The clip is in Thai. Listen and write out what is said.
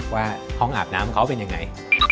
ว่าห้องอาบน้ำเขาเป็นยังไง